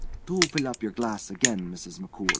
Do fill up your glass again, Mrs. McCool."